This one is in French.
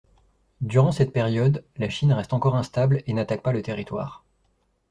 Durant cette période, la Chine reste encore instable et n'attaque pas le territoire.